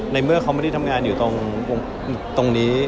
เมื่อเขาไม่ได้ทำงานอยู่ตรงนี้